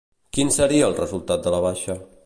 Quin seria el resultat de la baixa?